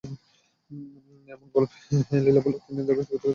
এমন গল্পে লীলা ভুলে গিয়ে তাদের ব্যক্তিগত চাকর হিসাবে নিযুক্ত করে।